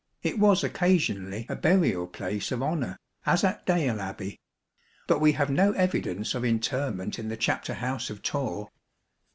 It was occasionally a burial place of honour, as at Dale Abbey ; but we have no evidence of interment in the chapter house of Torre.